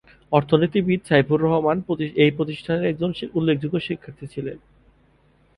অর্থনীতিবিদ সাইফুর রহমান এই প্রতিষ্ঠানের একজন উল্লেখযোগ্য শিক্ষার্থী ছিলেন।